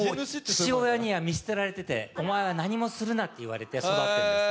父親には見捨てられててお前は何もするなと言われて育ってるんです。